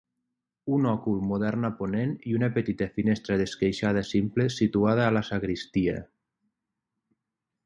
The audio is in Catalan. Un òcul modern a ponent i una petita finestra d'esqueixada simple situada a la sagristia.